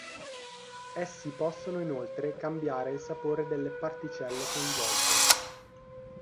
Essi possono inoltre cambiare il sapore delle particelle coinvolte.